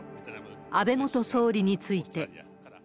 安倍元総理について。